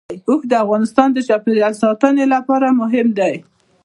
اوښ د افغانستان د چاپیریال ساتنې لپاره مهم دي.